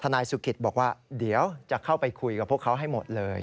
นายสุกิตบอกว่าเดี๋ยวจะเข้าไปคุยกับพวกเขาให้หมดเลย